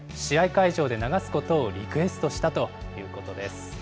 会場で流すことをリクエストしたということです。